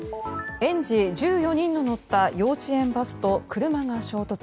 園児１４人の乗った幼稚園バスと車が衝突。